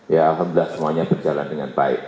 ya alhamdulillah semuanya berjalan dengan baik